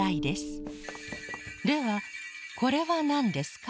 ではこれはなんですか？